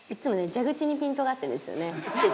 蛇口にピントが合ってるんですよね」